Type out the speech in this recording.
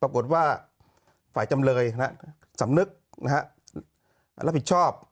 ปรากฏว่าฝ่ายจำเลยสำนึกรับผิดชอบ